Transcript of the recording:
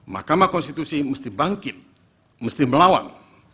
mahkamah konstitusi mesti bangkit mesti melawan